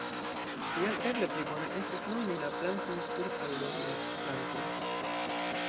Tial eble pli bone estus nomi la plantojn kurt- aŭ long-noktplantoj.